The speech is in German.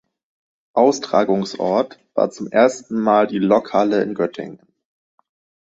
Austragungsort war zum ersten Mal die Lokhalle in Göttingen.